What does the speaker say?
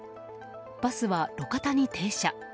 バスは路肩に停車。